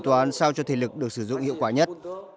tòa án sao cho thể lực được sử dụng hiệu quả nhất